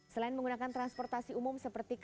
selain menggunakan transportasi umum